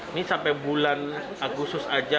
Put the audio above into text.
ini sampai bulan agustus aja